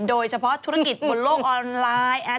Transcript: โดยเฉพาะธุรกิจบนโลกออนไลน์